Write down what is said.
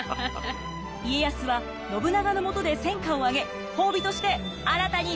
家康は信長のもとで戦果を上げ褒美として新たに領地をゲット！